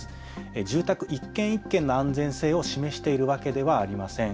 住宅一軒一軒の安全性を示しているわけではありません。